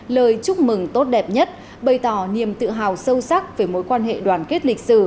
lời chúc mừng tốt đẹp nhất bày tỏ niềm tự hào sâu sắc về mối quan hệ đoàn kết lịch sử